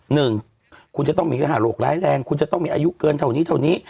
หนึ่งคุณจะต้องมีรหาโรคร้ายแรงคุณจะต้องมีอายุเกินเท่านี้เท่านี้